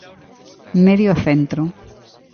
Medio centro.